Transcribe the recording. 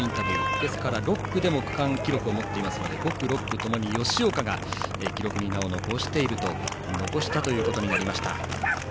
ですから、６区でも区間記録を持っていますので５区、６区ともに吉岡が記録に名を残したことになりました。